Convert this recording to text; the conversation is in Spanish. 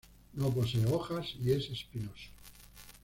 No posee hojas y es espinoso.